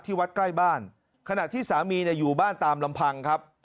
วัดใกล้บ้านขณะที่สามีเนี่ยอยู่บ้านตามลำพังครับ